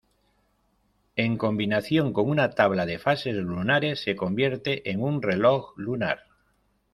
En combinación con una tabla de fases lunares se convierte en un reloj lunar.